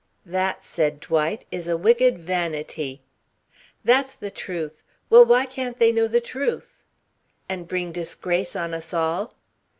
"That," said Dwight, "is a wicked vanity." "That's the truth. Well, why can't they know the truth?" "And bring disgrace on us all."